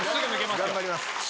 頑張ります。